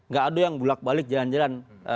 sehingga nggak ada yang bulat balik jalan jalan